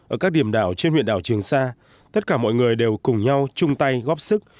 ở các điểm đảo trên huyện đảo trường sa tất cả mọi người đều cùng nhau chung tay góp sức